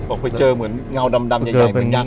ออกไปเจอเหมือนเงาดำใหญ่เป็นยักษ์